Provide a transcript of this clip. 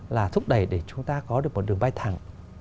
là thúc đẩy để chúng ta có được một đường bay thẳng